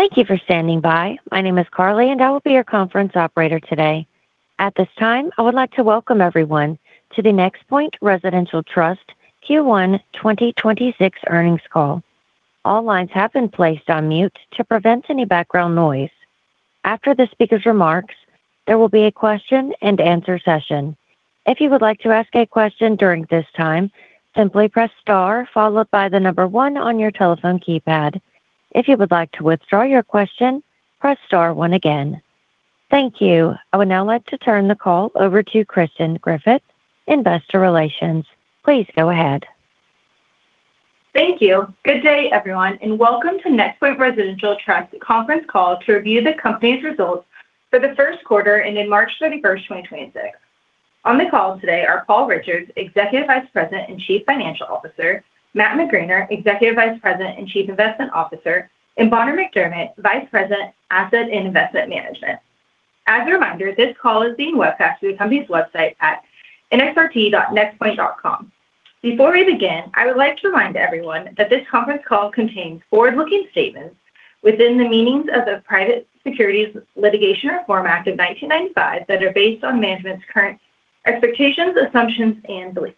Thank you for standing by. My name is Carly, and I will be your conference operator today. At this time, I would like to welcome everyone to the NexPoint Residential Trust Q1 2026 earnings call. All lines have been placed on mute to prevent any background noise. After the speaker's remarks, there will be a question-and-answer session. If you would like to ask a question during this time, simply press star followed by the number one on your telephone keypad. If you would like to withdraw your question, press star one again. Thank you. I would now like to turn the call over to Kristen Griffith, Investor Relations. Please go ahead. Thank you. Good day, everyone, and welcome to NexPoint Residential Trust conference call to review the company's results for the first quarter ending March 31, 2026. On the call today are Paul Richards, Executive Vice President and Chief Financial Officer; Matt McGraner, Executive Vice President and Chief Investment Officer; and Bonner McDermett, Vice President, Asset Management. As a reminder, this call is being webcast through the company's website at nxrt.nexpoint.com. Before we begin, I would like to remind everyone that this conference call contains forward-looking statements within the meanings of the Private Securities Litigation Reform Act of 1995 that are based on management's current expectations, assumptions, and beliefs.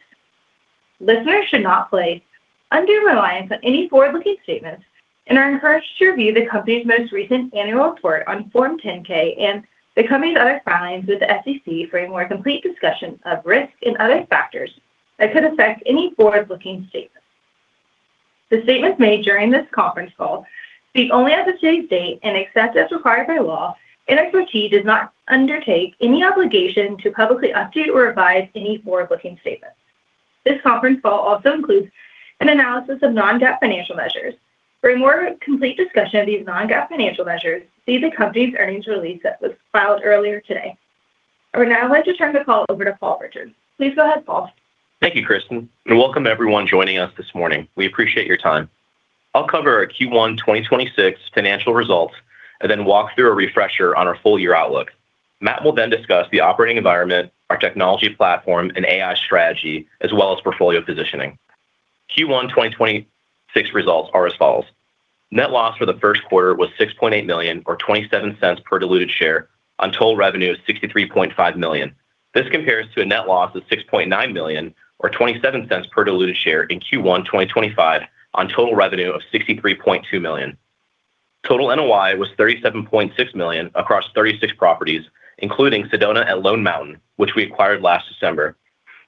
Listeners should not place undue reliance on any forward-looking statements and are encouraged to review the company's most recent annual report on Form 10-K and the company's other filings with the SEC for a more complete discussion of risks and other factors that could affect any forward-looking statements. The statements made during this conference call speak only as of today's date, and except as required by law, NXRT does not undertake any obligation to publicly update or revise any forward-looking statements. This conference call also includes an analysis of non-GAAP financial measures. For a more complete discussion of these non-GAAP financial measures, see the company's earnings release that was filed earlier today. I would now like to turn the call over to Paul Richards. Please go ahead, Paul. Thank you, Kristen, and welcome everyone joining us this morning. We appreciate your time. I'll cover our Q1 2026 financial results and walk through a refresher on our full year outlook. Matt will discuss the operating environment, our technology platform, and AI strategy, as well as portfolio positioning. Q1 2026 results are as follows. Net loss for the first quarter was $6.8 million or $0.27 per diluted share on total revenue of $63.5 million. This compares to a net loss of $6.9 million or $0.27 per diluted share in Q1 2025 on total revenue of $63.2 million. Total NOI was $37.6 million across 36 properties, including Sedona at Lone Mountain, which we acquired last December.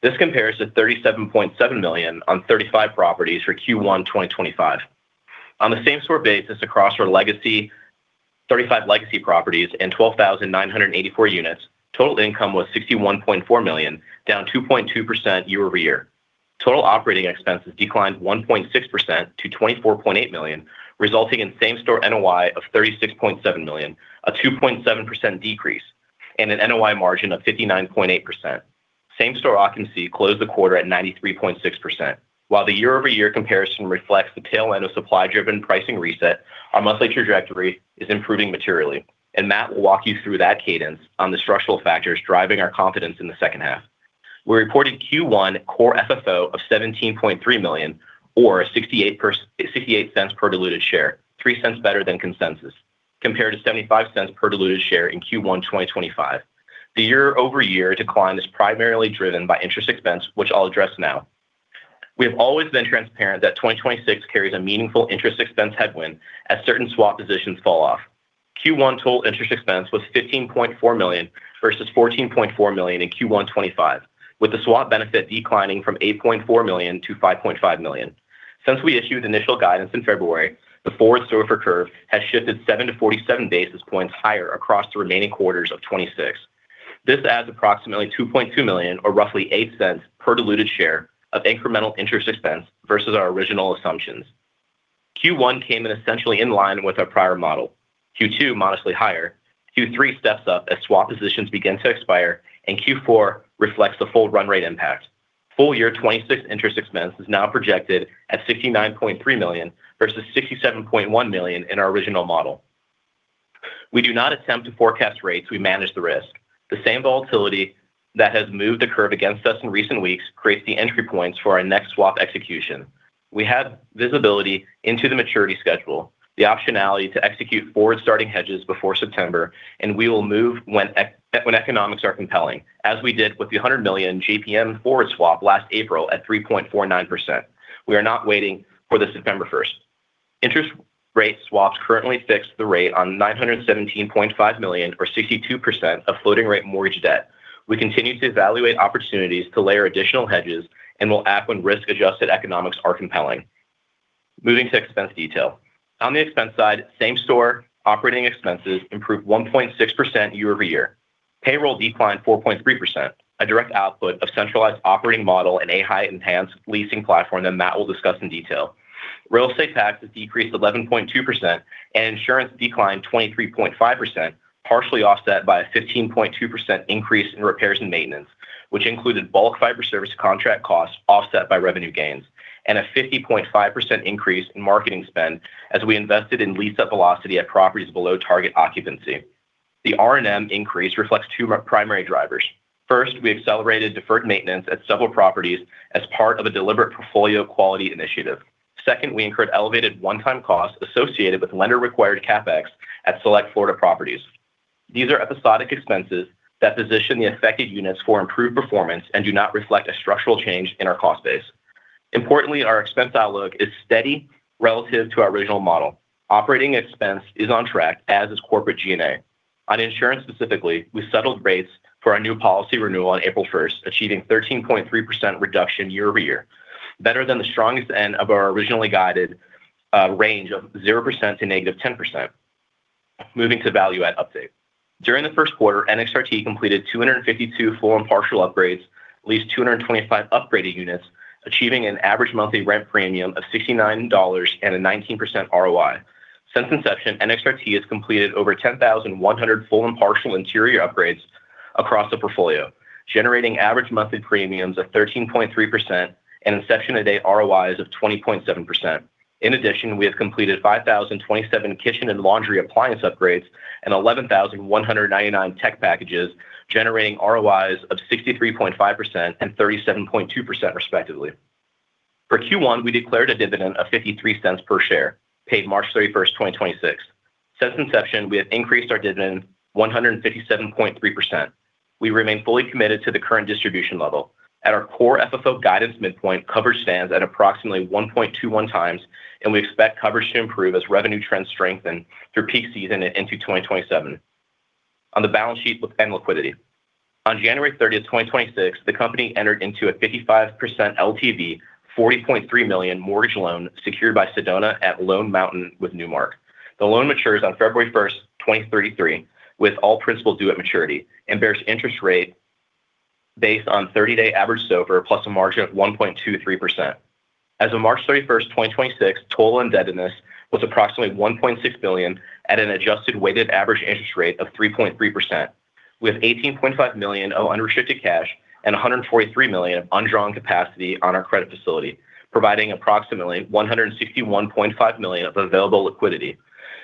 This compares to $37.7 million on 35 properties for Q1 2025. On the same store basis across our 35 legacy properties and 12,984 units, total income was $61.4 million, down 2.2% year-over-year. Total operating expenses declined 1.6% to $24.8 million, resulting in same store NOI of $36.7 million, a 2.7% decrease, and an NOI margin of 59.8%. Same store occupancy closed the quarter at 93.6%. While the year-over-year comparison reflects the tail end of supply driven pricing reset, our monthly trajectory is improving materially. Matt will walk you through that cadence on the structural factors driving our confidence in the second half. We reported Q1 Core FFO of $17.3 million or $0.68 per diluted share, $0.03 better than consensus, compared to $0.75 per diluted share in Q1 2025. The year-over-year decline is primarily driven by interest expense, which I'll address now. We have always been transparent that 2026 carries a meaningful interest expense headwind as certain swap positions fall off. Q1 total interest expense was $15.4 million versus $14.4 million in Q1 2025, with the swap benefit declining from $8.4 million to $5.5 million. Since we issued initial guidance in February, the forward forward swap curve has shifted seven to 47 basis points higher across the remaining quarters of 2026. This adds approximately $2.2 million or roughly $0.08 per diluted share of incremental interest expense versus our original assumptions. Q1 came in essentially in line with our prior model. Q2 modestly higher. Q3 steps up as swap positions begin to expire, and Q4 reflects the full run rate impact. Full year 2026 interest expense is now projected at $69.3 million versus $67.1 million in our original model. We do not attempt to forecast rates. We manage the risk. The same volatility that has moved the curve against us in recent weeks creates the entry points for our next swap execution. We have visibility into the maturity schedule, the optionality to execute forward starting hedges before September, and we will move when economics are compelling, as we did with the $100 million JPM forward swap last April at 3.49%. We are not waiting for the September 1. Interest rate swaps currently fixed the rate on $917.5 million or 62% of floating rate mortgage debt. We continue to evaluate opportunities to layer additional hedges and will act when risk-adjusted economics are compelling. Moving to expense detail. On the expense side, same store operating expenses improved 1.6% year-over-year. Payroll declined 4.3%, a direct output of centralized operating model and a highly enhanced leasing platform that Matt will discuss in detail. Real estate taxes decreased 11.2% and insurance declined 23.5%, partially offset by a 15.2% increase in repairs and maintenance, which included bulk fiber service contract costs offset by revenue gains and a 50.5% increase in marketing spend as we invested in lease up velocity at properties below target occupancy. The R&M increase reflects two primary drivers. First, we accelerated deferred maintenance at several properties as part of a deliberate portfolio quality initiative. Second, we incurred elevated one-time costs associated with lender-required CapEx at select Florida properties. These are episodic expenses that position the affected units for improved performance and do not reflect a structural change in our cost base. Importantly, our expense outlook is steady relative to our original model. Operating expense is on track, as is corporate G&A. On insurance specifically, we settled rates for our new policy renewal on April 1, achieving 13.3% reduction year-over-year, better than the strongest end of our originally guided range of 0% to -10%. Moving to value-add update. During the first quarter, NXRT completed 252 full and partial upgrades, leased 225 upgraded units, achieving an average monthly rent premium of $69 and a 19% ROI. Since inception, NXRT has completed over 10,100 full and partial interior upgrades across the portfolio, generating average monthly premiums of 13.3% and inception-to-date ROIs of 20.7%. In addition, we have completed 5,027 kitchen and laundry appliance upgrades and 11,199 tech packages, generating ROIs of 63.5% and 37.2% respectively. For Q1, we declared a dividend of $0.53 per share, paid March 31, 2026. Since inception, we have increased our dividend 157.3%. We remain fully committed to the current distribution level. At our Core FFO guidance midpoint, coverage stands at approximately 1.21 times, and we expect coverage to improve as revenue trends strengthen through peak season into 2027. On the balance sheet with end liquidity. On January 30, 2026, the company entered into a 55% LTV, $40.3 million mortgage loan secured by Sedona at Lone Mountain with Newmark. The loan matures on February 1, 2033, with all principal due at maturity and bears interest rate based on 30-day average SOFR plus a margin of 1.23%. As of March 31, 2026, total indebtedness was approximately $1.6 billion at an adjusted weighted average interest rate of 3.3%. We have $18.5 million of unrestricted cash and $143 million of undrawn capacity on our credit facility, providing approximately $161.5 million of available liquidity.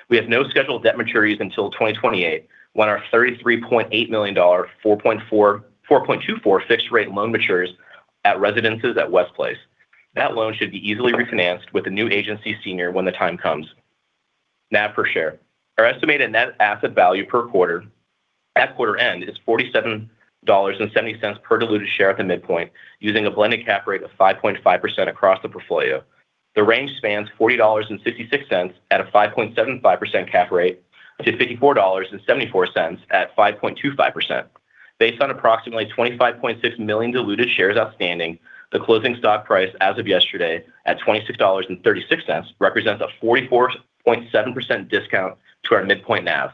We have no scheduled debt maturities until 2028, when our $33.8 million 4.24% fixed-rate loan matures at Residences at West Place. That loan should be easily refinanced with a new agency senior when the time comes. NAV per share. Our estimated net asset value per quarter at quarter end is $47.70 per diluted share at the midpoint, using a blended cap rate of 5.5% across the portfolio. The range spans $40.56 at a 5.75% cap rate to $54.74 at 5.25%. Based on approximately 25.6 million diluted shares outstanding, the closing stock price as of yesterday at $26.36 represents a 44.7% discount to our midpoint NAV.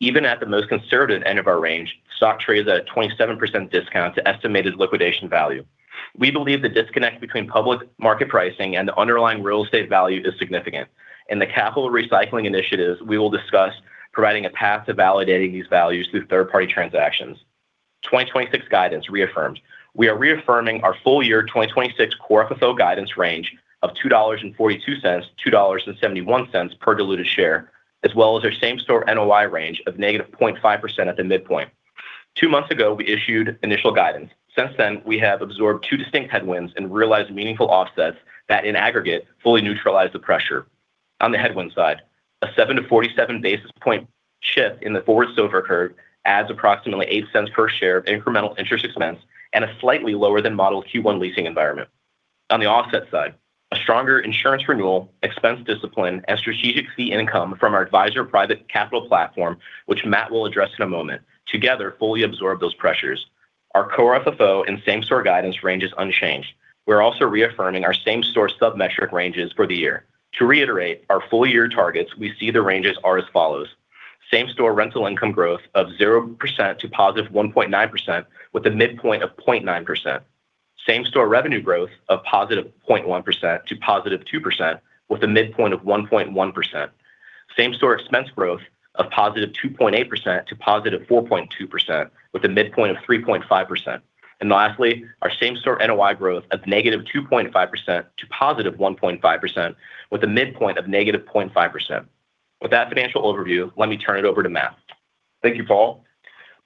Even at the most conservative end of our range, stock trades at a 27% discount to estimated liquidation value. We believe the disconnect between public market pricing and the underlying real estate value is significant. In the capital recycling initiatives, we will discuss providing a path to validating these values through third-party transactions. 2026 guidance reaffirmed. We are reaffirming our full year 2026 Core FFO guidance range of $2.42-$2.71 per diluted share, as well as our same-store NOI range of -0.5% at the midpoint. Two months ago, we issued initial guidance. Since then, we have absorbed two distinct headwinds and realized meaningful offsets that, in aggregate, fully neutralize the pressure. On the headwinds side, a 7-47 basis point shift in the forward SOFR curve adds approximately $0.08 per share of incremental interest expense and a slightly lower than modeled Q1 leasing environment. On the offset side, a stronger insurance renewal, expense discipline, and strategic fee income from our advisor private capital platform, which Matt will address in a moment, together fully absorb those pressures. Our Core FFO and same-store guidance range is unchanged. We are also reaffirming our same-store sub-metric ranges for the year. To reiterate our full year targets, we see the ranges are as follows. Same-store rental income growth of 0%-+1.9% with a midpoint of 0.9%. Same-store revenue growth of +0.1%-+2% with a midpoint of 1.1%. Same-store expense growth of +2.8%-+4.2% with a midpoint of 3.5%. Lastly, our same-store NOI growth of -2.5% to +1.5% with a midpoint of -0.5%. With that financial overview, let me turn it over to Matt. Thank you, Paul.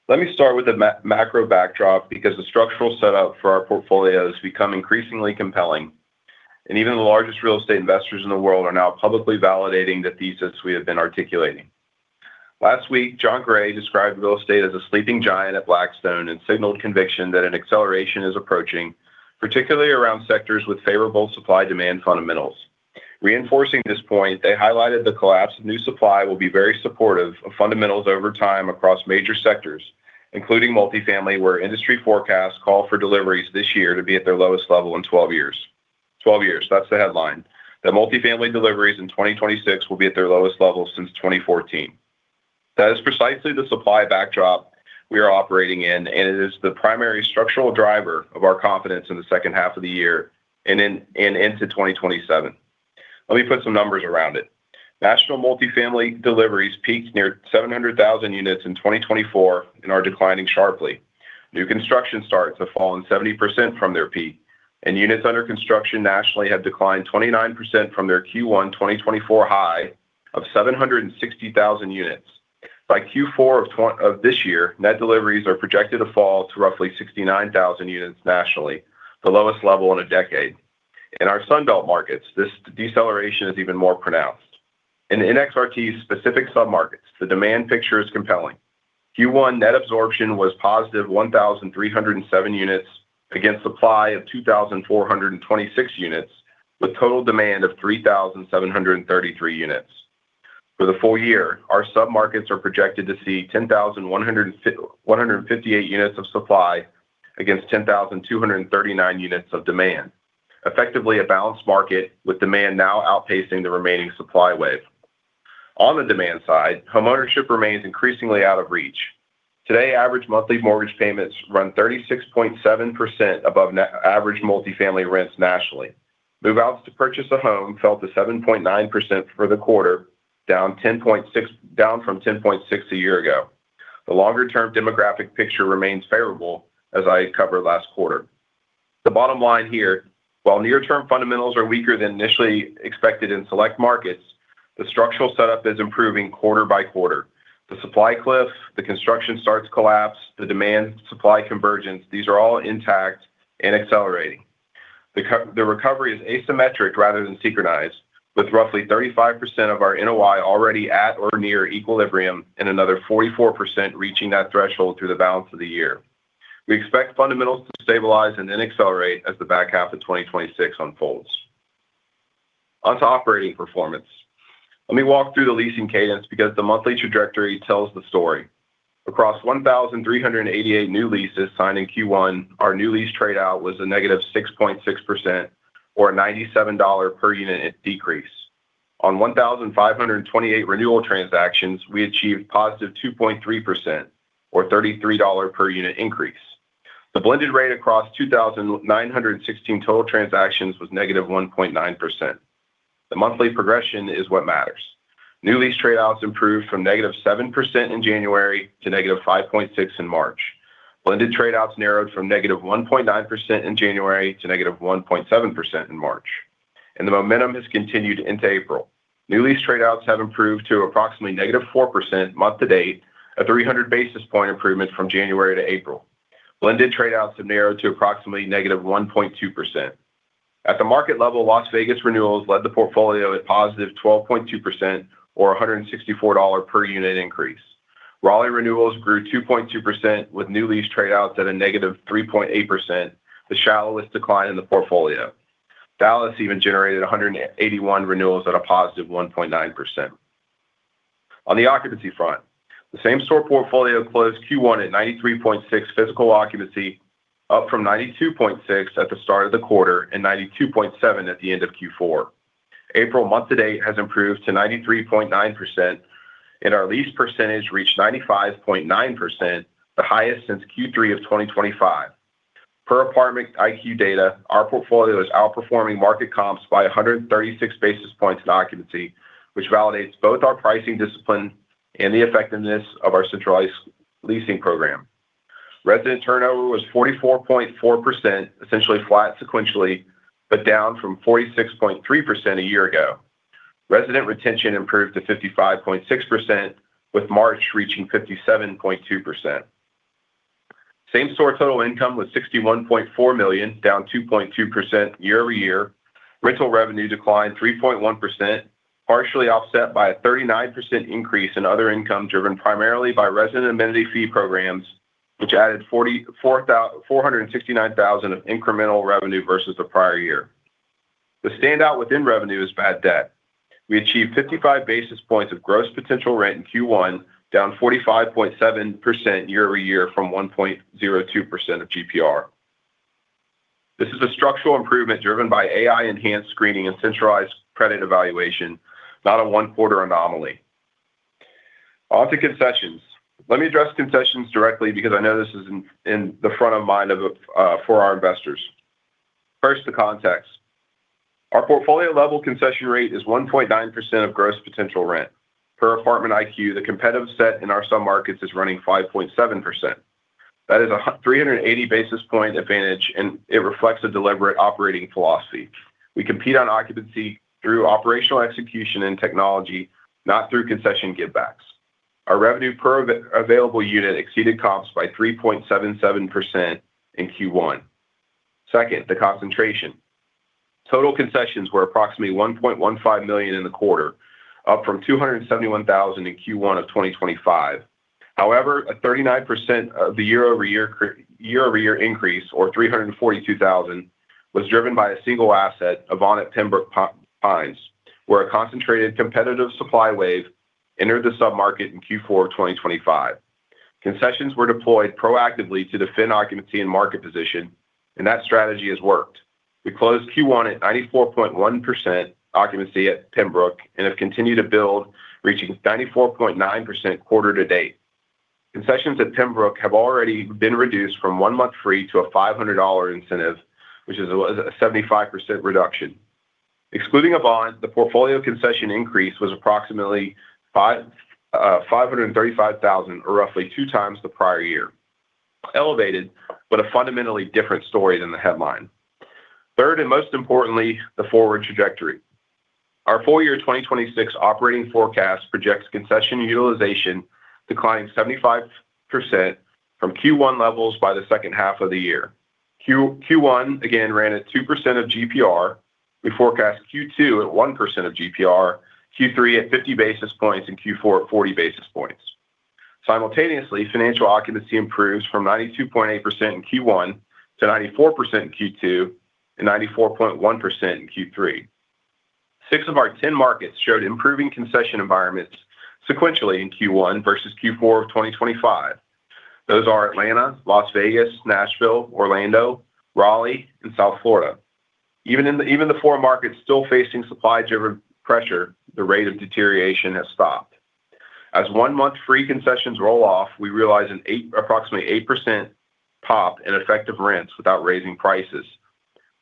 Let me start with the macro backdrop because the structural setup for our portfolio has become increasingly compelling, and even the largest real estate investors in the world are now publicly validating the thesis we have been articulating. Last week, Jon Gray described real estate as a sleeping giant at Blackstone and signaled conviction that an acceleration is approaching, particularly around sectors with favorable supply-demand fundamentals. Reinforcing this point, they highlighted the collapse of new supply will be very supportive of fundamentals over time across major sectors, including multifamily, where industry forecasts call for deliveries this year to be at their lowest level in 12 years. 12 years, that's the headline. The multifamily deliveries in 2026 will be at their lowest level since 2014. That is precisely the supply backdrop we are operating in, and it is the primary structural driver of our confidence in the second half of the year and into 2027. Let me put some numbers around it. National multifamily deliveries peaked near 700,000 units in 2024 and are declining sharply. New construction starts have fallen 70% from their peak, and units under construction nationally have declined 29% from their Q1 2024 high of 760,000 units. By Q4 of this year, net deliveries are projected to fall to roughly 69,000 units nationally, the lowest level in a decade. In our Sun Belt markets, this deceleration is even more pronounced. In NXRT's specific submarkets, the demand picture is compelling. Q1 net absorption was positive 1,307 units against supply of 2,426 units, with total demand of 3,733 units. For the full year, our submarkets are projected to see 10,158 units of supply against 10,239 units of demand. Effectively a balanced market with demand now outpacing the remaining supply wave. On the demand side, homeownership remains increasingly out of reach. Today, average monthly mortgage payments run 36.7% above average multifamily rents nationally. Move-outs to purchase a home fell to 7.9% for the quarter, down 10.6 from 10.6 a year ago. The longer-term demographic picture remains favorable, as I covered last quarter. The bottom line here, while near-term fundamentals are weaker than initially expected in select markets, the structural setup is improving quarter by quarter. The recovery is asymmetric rather than synchronized, with roughly 35% of our NOI already at or near equilibrium and another 44% reaching that threshold through the balance of the year. We expect fundamentals to stabilize and then accelerate as the back half of 2026 unfolds. On to operating performance. Let me walk through the leasing cadence because the monthly trajectory tells the story. Across 1,388 new leases signed in Q1, our new lease trade out was a negative 6.6% or $97 per unit decrease. On 1,528 renewal transactions, we achieved positive 2.3% or $33 per unit increase. The blended rate across 2,916 total transactions was negative 1.9%. The monthly progression is what matters. New lease trade outs improved from negative 7% in January to negative 5.6% in March. Blended trade outs narrowed from negative 1.9% in January to negative 1.7% in March. The momentum has continued into April. New lease trade outs have improved to approximately negative 4% month to date, a 300-basis point improvement from January to April. Blended trade outs have narrowed to approximately negative 1.2%. At the market level, Las Vegas renewals led the portfolio at positive 12.2% or a $164 per unit increase. Raleigh renewals grew 2.2% with new lease trade outs at a -3.8%, the shallowest decline in the portfolio. Dallas even generated 181 renewals at a positive 1.9%. On the occupancy front, the same store portfolio closed Q1 at 93.6% physical occupancy, up from 92.6% at the start of the quarter and 92.7% at the end of Q4. April month-to-date has improved to 93.9%, and our lease percentage reached 95.9%, the highest since Q3 of 2025. Per ApartmentIQ data, our portfolio is outperforming market comps by 136 basis points in occupancy, which validates both our pricing discipline and the effectiveness of our centralized leasing program. Resident turnover was 44.4%, essentially flat sequentially, but down from 46.3% a year ago. Resident retention improved to 55.6%, with March reaching 57.2%. Same store total income was $61.4 million, down 2.2% year-over-year. Rental revenue declined 3.1%, partially offset by a 39% increase in other income driven primarily by resident amenity fee programs, which added $469,000 of incremental revenue versus the prior year. The standout within revenue is bad debt. We achieved 55 basis points of gross potential rent in Q1, down 45.7% year-over-year from 1.02% of GPR. This is a structural improvement driven by AI-enhanced screening and centralized credit evaluation, not a one-quarter anomaly. On to concessions. Let me address concessions directly because I know this is in the front of mind for our investors. First, the context. Our portfolio level concession rate is 1.9% of gross potential rent. Per ApartmentIQ, the competitive set in our submarkets is running 5.7%. That is a 380-basis point advantage, and it reflects a deliberate operating philosophy. We compete on occupancy through operational execution and technology, not through concession givebacks. Our revenue per available unit exceeded costs by 3.77% in Q1. Second, the concentration. Total concessions were approximately $1.15 million in the quarter, up from $271,000 in Q1 of 2025. However, 39% of the year-over-year increase, or $342,000, was driven by a single asset, Avana at Pembroke Pines, where a concentrated competitive supply wave entered the submarket in Q4 of 2025. Concessions were deployed proactively to defend occupancy and market position, and that strategy has worked. We closed Q1 at 94.1% occupancy at Pembroke and have continued to build, reaching 94.9% quarter to date. Concessions at Pembroke have already been reduced from 1 month free to a $500 incentive, which is a 75% reduction. Excluding a bond, the portfolio concession increase was approximately $535,000, or roughly two times the prior year. Elevated, but a fundamentally different story than the headline. Third, and most importantly, the forward trajectory. Our full year 2026 operating forecast projects concession utilization declining 75% from Q1 levels by the second half of the year. Q1, again, ran at 2% of GPR. We forecast Q2 at 1% of GPR, Q3 at 50 basis points and Q4 at 40 basis points. Simultaneously, financial occupancy improves from 92.8% in Q1 to 94% in Q2 and 94.1% in Q3. Six of our 10 markets showed improving concession environments sequentially in Q1 versus Q4 of 2025. Those are Atlanta, Las Vegas, Nashville, Orlando, Raleigh, and South Florida. Even the four markets still facing supply-driven pressure, the rate of deterioration has stopped. As one-month free concessions roll off, we realize approximately 8% pop in effective rents without raising prices.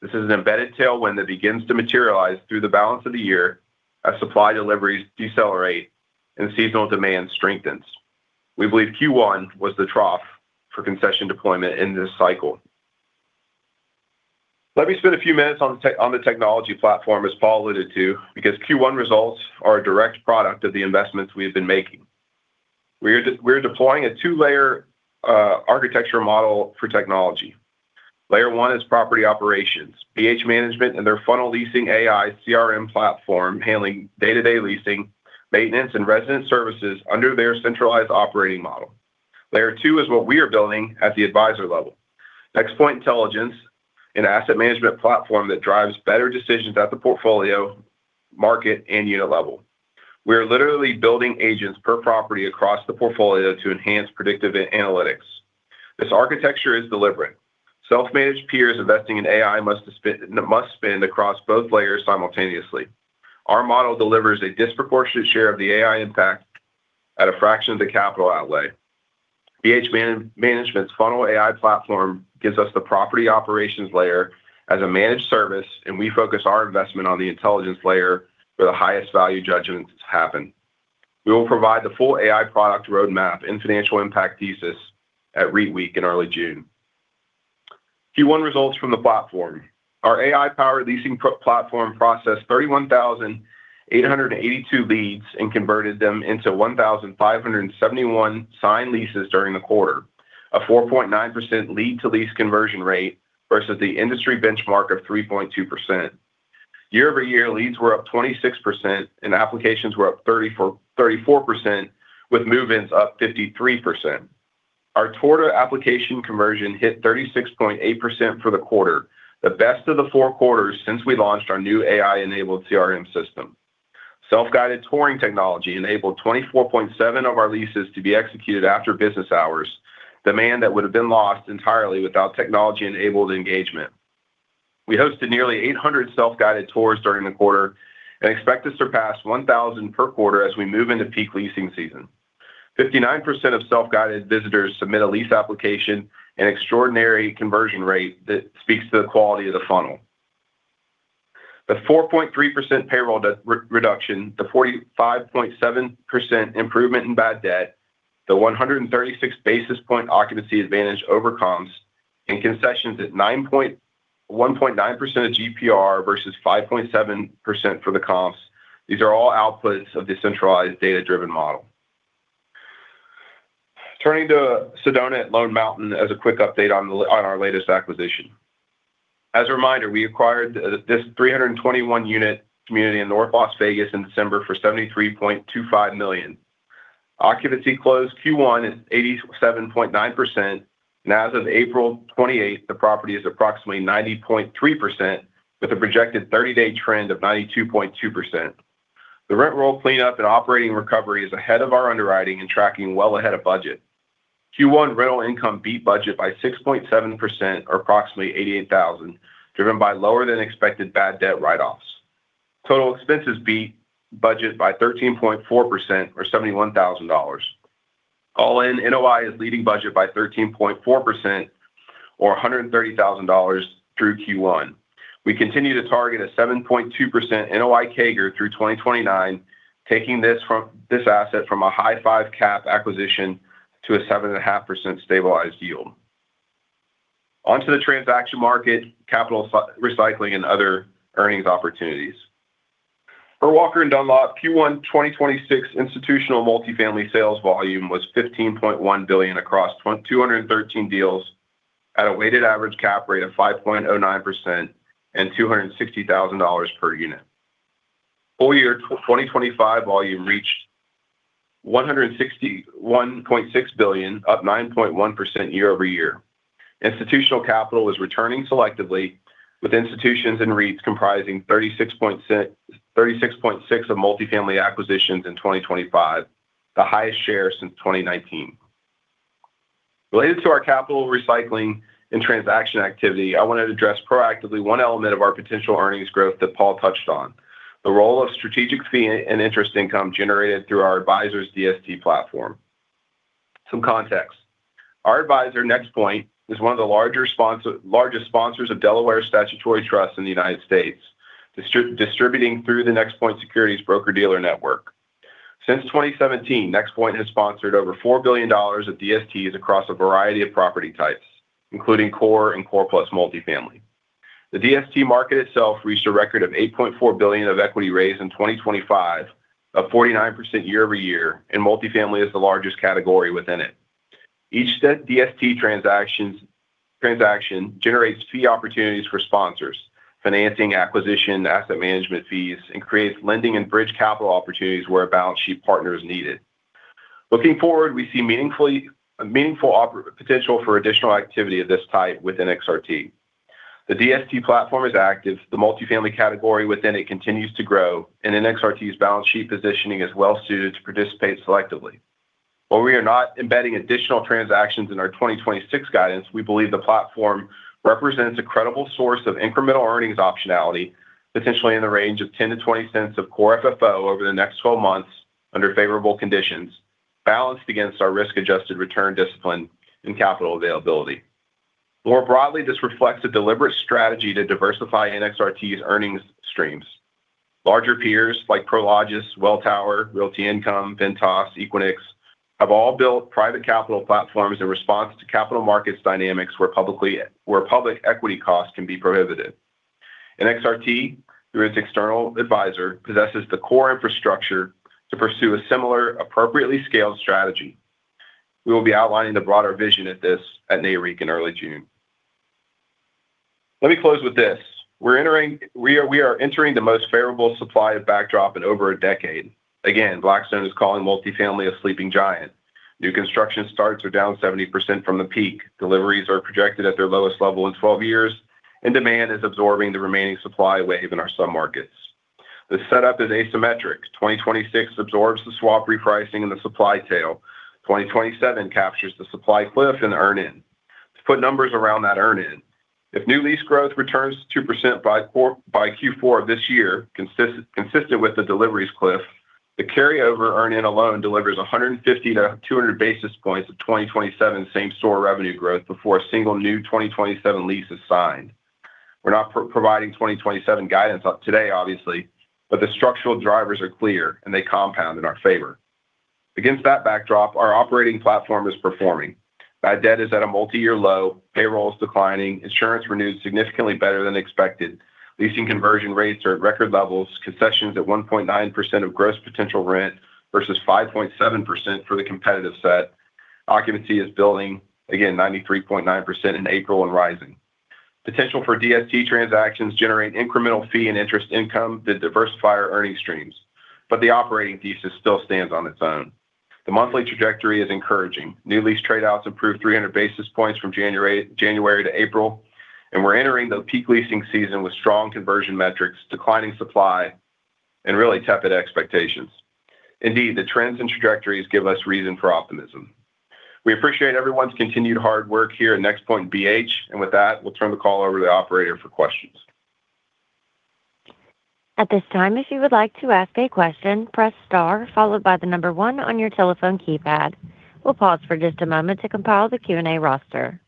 This is an embedded tailwind that begins to materialize through the balance of the year as supply deliveries decelerate and seasonal demand strengthens. We believe Q1 was the trough for concession deployment in this cycle. Let me spend a few minutes on the technology platform, as Paul alluded to, because Q1 results are a direct product of the investments we have been making. We are deploying a two-layer architecture model for technology. Layer one is property operations, BH Management, and their Funnel leasing AI CRM platform handling day-to-day leasing, maintenance, and resident services under their centralized operating model. Layer two is what we are building at the advisor level. NexPoint Intelligence, an asset management platform that drives better decisions at the portfolio, market, and unit level. We are literally building agents per property across the portfolio to enhance predictive analytics. This architecture is deliberate. Self-managed peers investing in AI must spend across both layers simultaneously. Our model delivers a disproportionate share of the AI impact at a fraction of the capital outlay. BH Management's Funnel AI platform gives us the property operations layer as a managed service, and we focus our investment on the intelligence layer where the highest value judgments happen. We will provide the full AI product roadmap and financial impact thesis at REITweek in early June. Q1 results from the platform. Our AI-powered leasing platform processed 31,882 leads and converted them into 1,571 signed leases during the quarter. A 4.9% lead-to-lease conversion rate versus the industry benchmark of 3.2%. Year-over-year leads were up 26% and applications were up 34% with move-ins up 53%. Our tour to application conversion hit 36.8% for the quarter, the best of the four quarters since we launched our new AI-enabled CRM system. Self-guided touring technology enabled 24.7% of our leases to be executed after business hours, demand that would have been lost entirely without technology-enabled engagement. We hosted nearly 800 self-guided tours during the quarter and expect to surpass 1,000 per quarter as we move into peak leasing season. 59% of self-guided visitors submit a lease application, an extraordinary conversion rate that speaks to the quality of the Funnel. The 4.3% payroll reduction, the 45.7% improvement in bad debt, the 136 basis point occupancy advantage over comms, and concessions at 1.9% of GPR versus 5.7% for the comms. These are all outputs of the centralized data-driven model. Turning to Sedona at Lone Mountain as a quick update on our latest acquisition. As a reminder, we acquired this 321 unit community in North Las Vegas in December for $73.25 million. Occupancy closed Q1 at 87.9%, and as of April 28, the property is approximately 90.3% with a projected 30-day trend of 92.2%. The rent roll cleanup and operating recovery is ahead of our underwriting and tracking well ahead of budget. Q1 rental income beat budget by 6.7% or approximately $88,000, driven by lower-than-expected bad debt write-offs. Total expenses beat budget by 13.4% or $71,000. All in, NOI is leading budget by 13.4% or $130,000 through Q1. We continue to target a 7.2% NOI CAGR through 2029, taking this asset from a high five cap acquisition to a 7.5% stabilized yield. Onto the transaction market, capital recycling and other earnings opportunities. For Walker & Dunlop, Q1 2026 institutional multifamily sales volume was $15.1 billion across 213 deals at a weighted average cap rate of 5.09% and $260,000 per unit. Full year 2025 volume reached $161.6 billion, up 9.1% year-over-year. Institutional capital is returning selectively with institutions and REITs comprising 36.6% of multifamily acquisitions in 2025, the highest share since 2019. Related to our capital recycling and transaction activity, I want to address proactively one element of our potential earnings growth that Paul touched on. The role of strategic fee and interest income generated through our advisors DST platform. Some context. Our advisor, NexPoint, is one of the largest sponsors of Delaware Statutory Trust in the United States, distributing through the NexPoint Securities broker-dealer network. Since 2017, NexPoint has sponsored over $4 billion of DSTs across a variety of property types, including core and core plus multifamily. The DST market itself reached a record of $8.4 billion of equity raised in 2025, up 49% year-over-year, and multifamily is the largest category within it. Each DST transaction generates fee opportunities for sponsors, financing acquisition, asset management fees, and creates lending and bridge capital opportunities where a balance sheet partner is needed. Looking forward, we see a meaningful potential for additional activity of this type within NXRT. The DST platform is active, the multifamily category within it continues to grow, and NXRT's balance sheet positioning is well suited to participate selectively. While we are not embedding additional transactions in our 2026 guidance, we believe the platform represents a credible source of incremental earnings optionality, potentially in the range of $0.10-$0.20 of Core FFO over the next 12 months under favorable conditions, balanced against our risk-adjusted return discipline and capital availability. More broadly, this reflects a deliberate strategy to diversify NXRT's earnings streams. Larger peers like Prologis, Welltower, Realty Income, Ventas, Equinix have all built private capital platforms in response to capital markets dynamics where publicly where public equity costs can be prohibitive. NXRT, through its external advisor, possesses the core infrastructure to pursue a similar appropriately scaled strategy. We will be outlining the broader vision at Nareit in early June. Let me close with this. We are entering the most favorable supply of backdrop in over a decade. Again, Blackstone is calling multifamily a sleeping giant. New construction starts are down 70% from the peak. Deliveries are projected at their lowest level in 12 years; demand is absorbing the remaining supply wave in our submarkets. The setup is asymmetric. 2026 absorbs the swap repricing in the supply tail. 2027 captures the supply cliff and earn in. To put numbers around that earn in, if new lease growth returns 2% by Q4 of this year, consistent with the delivery's cliff, the carryover earn in alone delivers 150 to 200 basis points of 2027 same-store revenue growth before a single new 2027 lease is signed. We're not providing 2027 guidance today, obviously, but the structural drivers are clear, and they compound in our favor. Against that backdrop, our operating platform is performing. Bad debt is at a multiyear low. Payroll is declining. Insurance renews significantly better than expected. Leasing conversion rates are at record levels. Concessions at 1.9% of gross potential rent versus 5.7% for the competitive set. Occupancy is building, again, 93.9% in April and rising. Potential for DST transactions generate incremental fee and interest income that diversify our earnings streams. The operating thesis still stands on its own. The monthly trajectory is encouraging. New lease trade-outs improved 300 basis points from January to April. We're entering the peak leasing season with strong conversion metrics, declining supply, and really tepid expectations. Indeed, the trends and trajectories give us reason for optimism. We appreciate everyone's continued hard work here at NexPoint BH. With that, we'll turn the call over to the operator for questions. We'll pause for just a moment to compile the Q&A roster.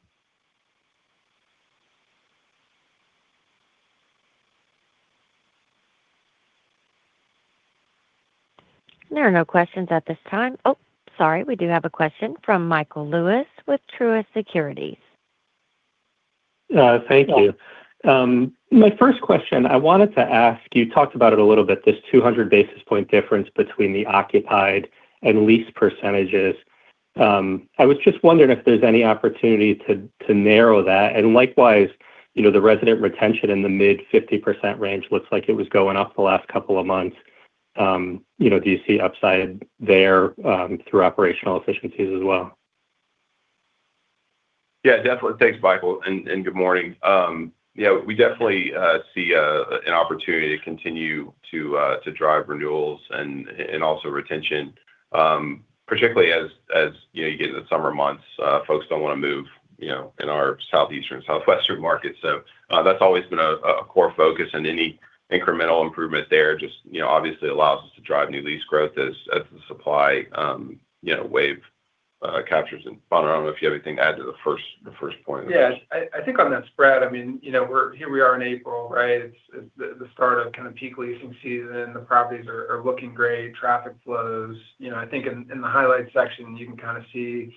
There are no questions at this time. Oh, sorry. We do have a question from Michael Lewis with Truist Securities. Thank you. My first question, I wanted to ask, you talked about it a little bit, this 200-basis point difference between the occupied and leased percentages. I was just wondering if there's any opportunity to narrow that. Likewise, you know, the resident retention in the mid-50% range looks like it was going up the last couple of months. You know, do you see upside there, through operational efficiencies as well? Yeah, definitely. Thanks, Michael, and good morning. Yeah, we definitely see an opportunity to continue to drive renewals and also retention, particularly as you know, you get into summer months, folks don't want to move, you know, in our southeastern, southwestern markets. That's always been a core focus and any incremental improvement there just, you know, obviously allows us to drive new lease growth as the supply, you know, wave captures. Bonner McDermett, I don't know if you have anything to add to the first point. I think on that spread, I mean, you know, here we are in April, right? It's, it's the start of kind of peak leasing season. The properties are looking great. Traffic flows. You know, I think in the highlights section, you can kind of see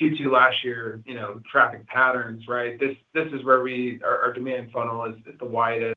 Q2 last year, you know, traffic patterns, right? This, this is where our demand Funnel is at the widest.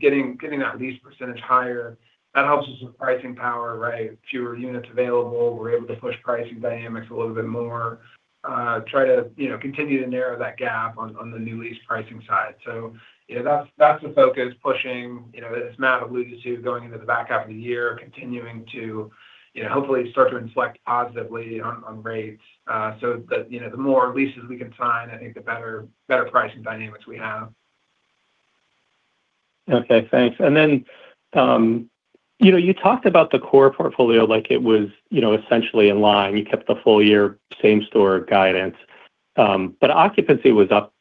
Getting that lease percentage higher, that helps us with pricing power, right? Fewer units available. We're able to push pricing dynamics a little bit more. Try to, you know, continue to narrow that gap on the new lease pricing side. you know, that's the focus, pushing, you know, this amount of leases going into the back half of the year, continuing to, you know, hopefully start to inflect positively on rates. The, you know, the more leases we can sign, I think the better pricing dynamics we have. Okay. Thanks. You know, you talked about the core portfolio like it was, you know, essentially in line. You kept the full year same store guidance. Occupancy was up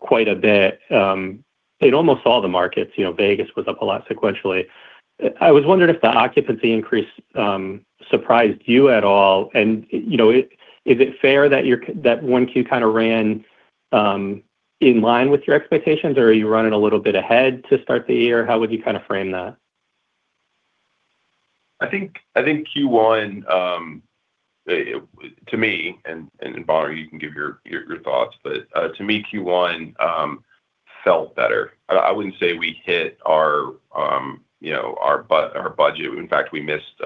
quite a bit in almost all the markets. You know, Vegas was up a lot sequentially. I was wondering if the occupancy increase surprised you at all. You know, is it fair that 1Q kind of ran in line with your expectations, or are you running a little bit ahead to start the year? How would you kind of frame that? I think Q1, to me and Bonner, you can give your thoughts. To me, Q1 felt better. I wouldn't say we hit our, you know, our budget. In fact, we missed,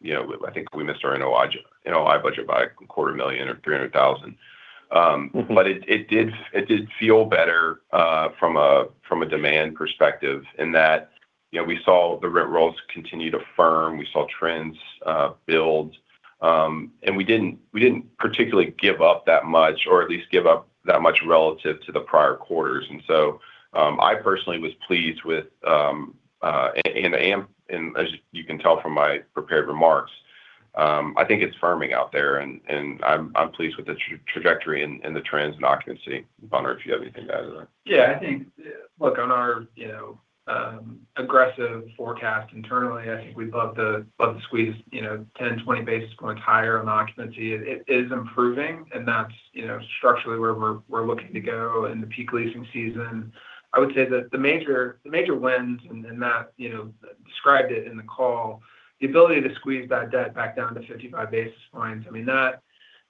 you know, I think we missed our NOI budget by quarter million or $300,000. It did feel better from a demand perspective in that, you know, we saw the rent rolls continue to firm. We saw trends build. We didn't particularly give up that much or at least give up that much relative to the prior quarters. I personally was pleased with. I am, and as you can tell from my prepared remarks, I think it's firming out there, and I'm pleased with the trajectory and the trends in occupancy. Bonner, if you have anything to add to that. Yeah. I think, look, on our, you know, aggressive forecast internally, I think we'd love to squeeze, you know, 10, 20 basis points higher on occupancy. It is improving, and that's, you know, structurally where we're looking to go in the peak leasing season. I would say that the major wins, and Matt, you know, described it in the call, the ability to squeeze that debt back down to 55 basis points. I mean, that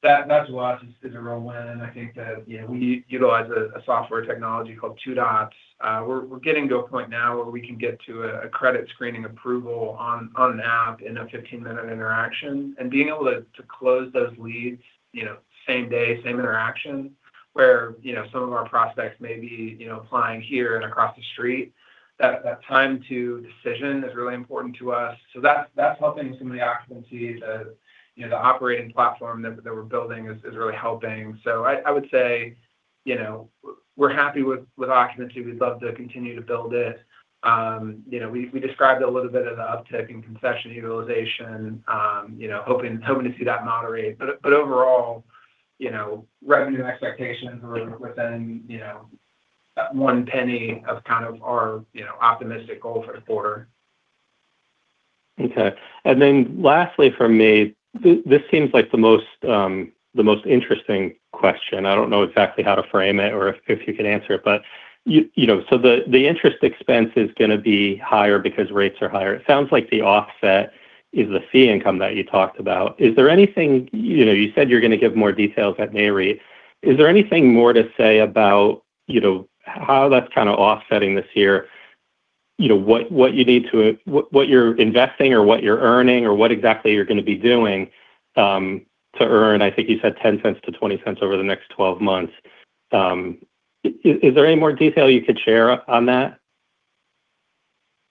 to us is a real win. I think that, you know, we utilize a software technology called Two Dots. We're getting to a point now where we can get to a credit screening approval on an app in a 15-minute interaction. Being able to close those leads, you know, same day, same interaction, where, you know, some of our prospects may be, you know, applying here and across the street, that time to decision is really important to us. That's helping some of the occupancies. The, you know, the operating platform that we're building is really helping. I would say, you know, we're happy with occupancy. We'd love to continue to build it. You know, we described a little bit of the uptick in concession utilization, you know, hoping to see that moderate. Overall, you know, revenue expectations are within, you know, $0.01 of kind of our, you know, optimistic goal for the quarter. Okay. Then lastly from me, this seems like the most, the most interesting question. I don't know exactly how to frame it or if you could answer it. You know, the interest expense is gonna be higher because rates are higher. It sounds like the offset is the fee income that you talked about. You know, you said you're gonna give more details at NAREIT. Is there anything more to say about, you know, how that's kind of offsetting this year? You know, what you need to what you're investing or what you're earning, or what exactly you're gonna be doing to earn, I think you said $0.10 to $0.20 over the next 12 months. Is there any more detail you could share on that?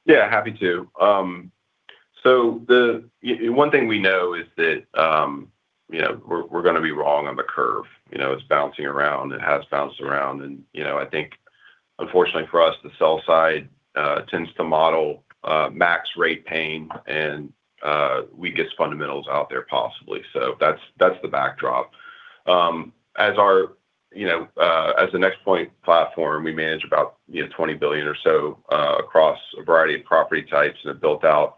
Yeah, happy to. One thing we know is that, you know, we're gonna be wrong on the curve. You know, it's bouncing around. It has bounced around. You know, I think unfortunately for us, the sell side tends to model max rate pain and weakest fundamentals out there possibly. That's the backdrop. As our, you know, as the NexPoint platform, we manage about, you know, $20 billion or so across a variety of property types and have built out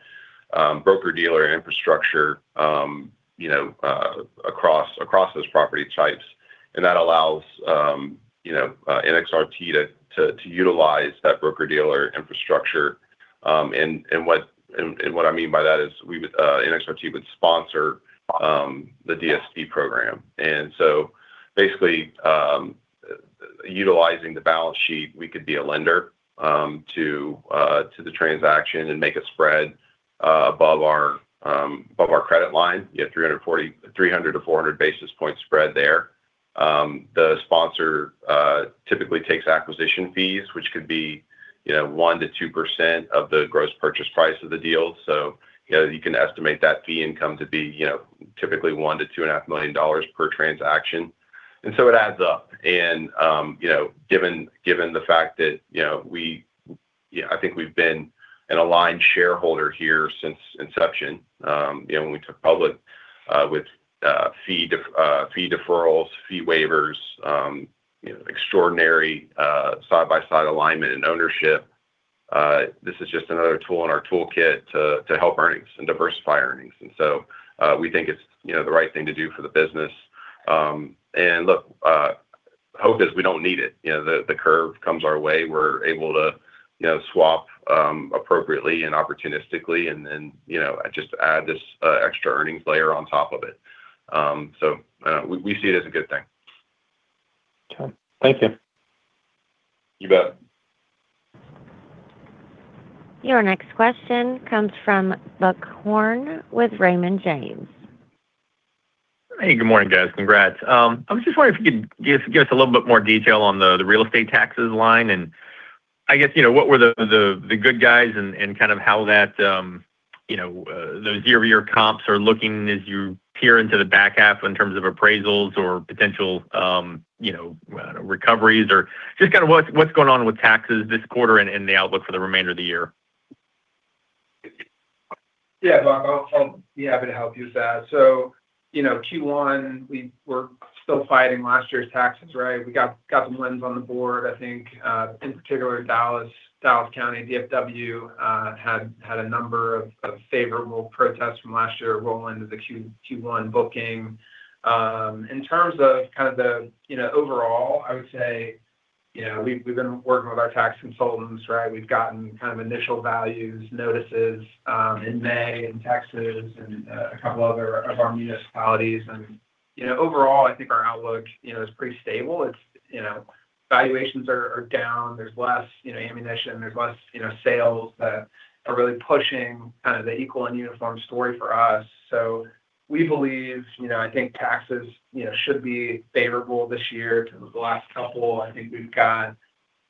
broker-dealer infrastructure, you know, across those property types. That allows, you know, NXRT to utilize that broker-dealer infrastructure. What I mean by that is NXRT would sponsor the DST program. Basically, utilizing the balance sheet, we could be a lender to the transaction and make a spread above our credit line. You have 300 to 400 basis point spread there. The sponsor typically takes acquisition fees, which could be, you know, 1% to 2% of the gross purchase price of the deal. You know, you can estimate that fee income to be, you know, typically $1 million to $2.5 million per transaction. It adds up. You know, given the fact that, you know, I think we've been an aligned shareholder here since inception, you know, when we took public with fee deferrals, fee waivers, you know, extraordinary side-by-side alignment and ownership. This is just another tool in our toolkit to help earnings and diversify earnings. We think it's, you know, the right thing to do for the business. Look, hope is we don't need it. You know, the curve comes our way, we're able to, you know, swap, appropriately and opportunistically and, you know, just add this, extra earnings layer on top of it. We, we see it as a good thing. Okay. Thank you. You bet. Your next question comes from Buck Horne with Raymond James. Hey, good morning, guys. Congrats. I was just wondering if you could give us a little bit more detail on the real estate taxes line, and I guess, you know, what were the good guys and kind of how that, you know, those year-over-year comps are looking as you peer into the back half in terms of appraisals or potential, you know, I don't know, recoveries or just kind of what's going on with taxes this quarter and the outlook for the remainder of the year? Buck, I'll be happy to help you with that. You know, Q1, we were still fighting last year's taxes, right? We got some wins on the board. I think in particular Dallas County, DFW had a number of favorable protests from last year roll into the Q1 booking. In terms of kind of the, you know, overall, I would say, you know, we've been working with our tax consultants, right? We've gotten kind of initial values, notices, in May in Texas and a couple other of our municipalities. You know, overall, I think our outlook, you know, is pretty stable. It's, you know, valuations are down. There's less, you know, ammunition. There's less, you know, sales that are really pushing kind of the equal and uniform story for us. We believe, you know, I think taxes, you know, should be favorable this year to the last couple. I think we've got,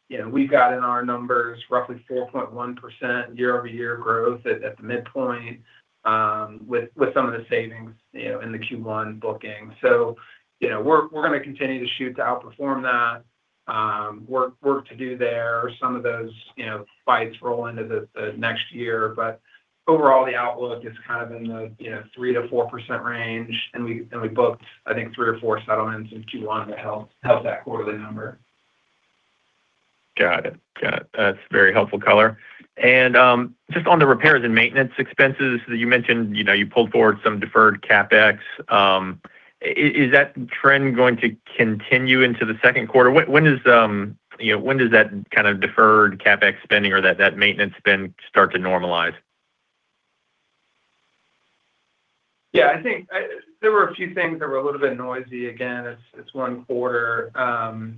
you know, we've got in our numbers roughly 4.1% year-over-year growth at the midpoint, with some of the savings, you know, in the Q1 booking. You know, we're gonna continue to shoot to outperform that, work to do there. Some of those, you know, fights roll into the next year. Overall, the outlook is kind of in the, you know, 3%-4% range, and we booked, I think, three or four settlements in Q1 to help that quarterly number. Got it. Got it. That's very helpful color. Just on the repairs and maintenance expenses, you mentioned, you know, you pulled forward some deferred CapEx. Is that trend going to continue into the second quarter? When does, you know, when does that kind of deferred CapEx spending or that maintenance spend start to normalize? There were a few things that were a little bit noisy. Again, it's one quarter. You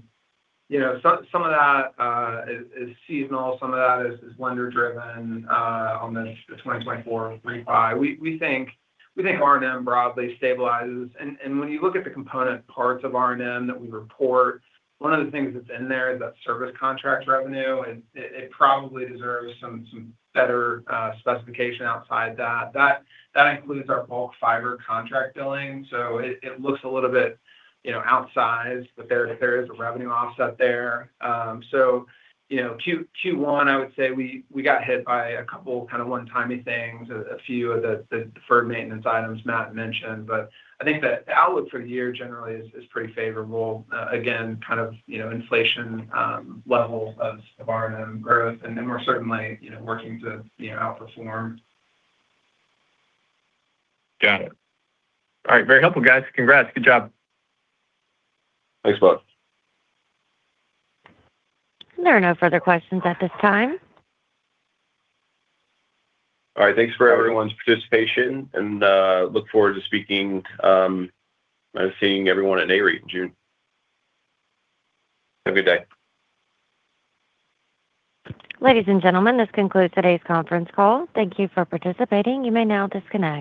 know, some of that is seasonal. Some of that is lender driven on the 2024 35. We think R&M broadly stabilizes. When you look at the component parts of R&M that we report, one of the things that's in there is that service contract revenue, and it probably deserves some better specification outside that. That includes our bulk fiber contract billing. It looks a little bit, you know, outsized, but there is a revenue offset there. You know, Q1, I would say we got hit by a couple kind of one-timey things, a few of the deferred maintenance items Matt mentioned. I think the outlook for the year generally is pretty favorable. Again, kind of, you know, inflation, level of R&M growth. We're certainly, you know, working to, you know, outperform. Got it. All right. Very helpful, guys. Congrats. Good job. Thanks, Buck. There are no further questions at this time. All right. Thanks for everyone's participation, and look forward to speaking, or seeing everyone at NAREIT in June. Have a good day. Ladies and gentlemen, this concludes today's conference call. Thank you for participating. You may now disconnect.